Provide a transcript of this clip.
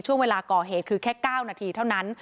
ช่วงเวลาก่อเหตุคือแค่๙นาทีเท่านั้น